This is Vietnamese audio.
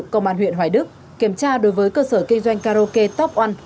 công an huyện hoài đức kiểm tra đối với cơ sở kinh doanh karaoke top one